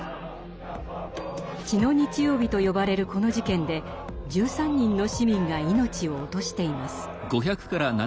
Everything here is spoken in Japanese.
「血の日曜日」と呼ばれるこの事件で１３人の市民が命を落としています。